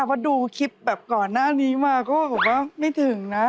เพราะดูคลิปแบบก่อนหน้านี้มาก็บอกว่าไม่ถึงนะ